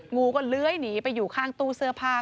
งูก็เลื้อยหนีไปอยู่ข้างตู้เสื้อผ้า